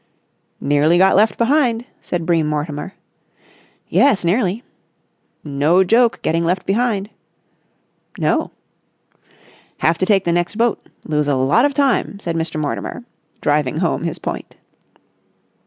"Nearly got left behind," said Bream Mortimer. "Yes, nearly." "No joke getting left behind." "No." "Have to take the next boat. Lose a lot of time," said Mr. Mortimer, driving home his point.